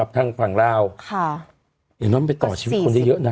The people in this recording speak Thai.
กับทางฝั่งลาวอย่างนั้นไม่ต่อชีวิตคนจะเยอะนะ